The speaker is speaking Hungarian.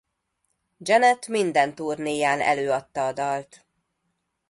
Janet minden turnéján előadta a dalt.